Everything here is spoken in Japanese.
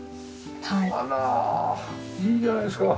あらいいじゃないですか。